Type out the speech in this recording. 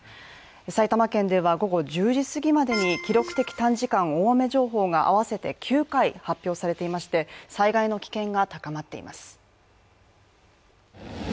埼玉県では午後１０時すぎまでに記録的短時間大雨情報が合わせて９回発表されていまして災害の危険が高まっています。